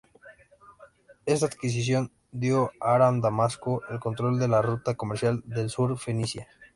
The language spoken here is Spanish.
Esta adquisición dio a Aram-Damasco el control de la ruta comercial del sur Fenicia.